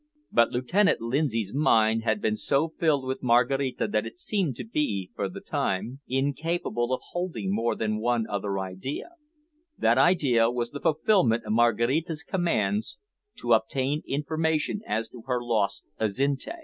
But Lieutenant Lindsay's mind had been so filled with Maraquita that it seemed to be, for the time, incapable of holding more than one other idea that idea was the fulfilment of Maraquita's commands to obtain information as to her lost Azinte.